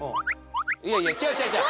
いやいや違う違う。